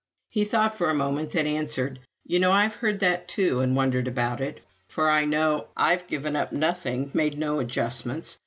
He thought for a moment, then answered: "You know, I've heard that too, and wondered about it. For I know I've given up nothing, made no 'adjustments.'